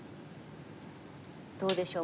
どうでしょう。